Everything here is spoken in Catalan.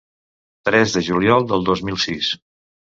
Tres de juliol de dos mil sis.